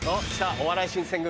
お笑い新選組